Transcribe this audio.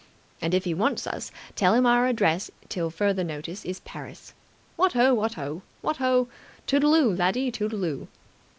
And, if he wants us, tell him our address till further notice is Paris. What ho! What ho! What ho! Toodle oo, laddie, toodle oo!"